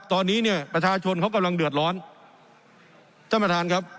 ตอนนี้เนี่ยประชาชนเขากำลังเดือดร้อนท่านประธานครับ